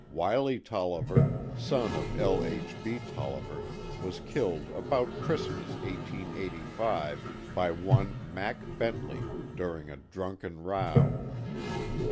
Wiley Tolliver, son of L. H. B. Tolliver, was killed about Christmas, 1885, by one Mack Bentley, during a drunken row.